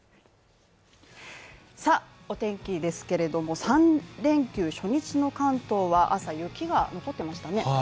お天気ですが、３連休初日の関東は朝、雪が残っていましたね。